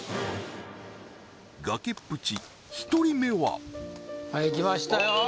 崖っぷち１人目ははい来ましたよ